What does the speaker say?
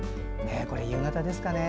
これ、夕方ですかね。